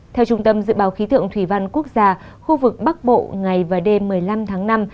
theo trung tâm dự báo khí tượng thủy văn quốc gia khu vực bắc bộ ngày và đêm một mươi năm tháng năm